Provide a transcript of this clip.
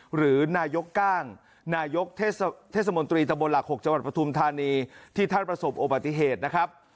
หรือนายกก้างนายกเทศมนตรีตะบนหลัก๖จังหวัดปฐุมธานีที่ท่านประสบอุบัติเหตุนะครับ